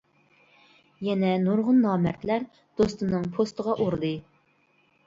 يەنى نۇرغۇن نامەردلەر دوستىنىڭ پوستىغا ئۇردى.